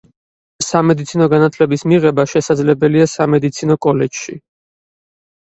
სამედიცინო განათლების მიღება შესაძლებელია სამედიცინო კოლეჯში.